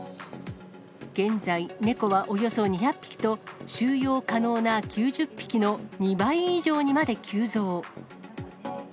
現在、猫はおよそ２００匹と、収容可能な９０匹の２倍以上にまで急増。